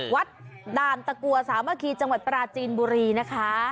วัดด่านตะกัวสามะคีจังหวัดปราจีนบุรีนะคะ